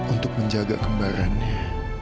untuk menjaga kembarannya